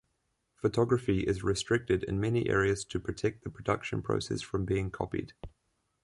Photography is restricted in many areas to protect the production process from being copied.